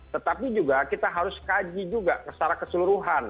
tetapi juga kita harus kaji juga secara keseluruhan